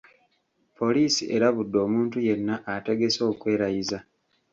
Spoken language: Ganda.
Poliisi erabudde omuntu yenna atagese okwerayiza